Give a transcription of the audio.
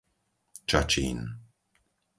Čačín